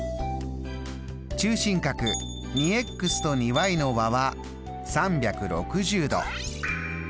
中心角２と２の和は３６０度。